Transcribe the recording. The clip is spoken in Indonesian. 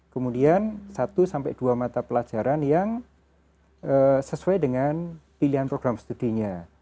kemudian satu sampai dua mata pelajaran yang sesuai dengan pilihan program studinya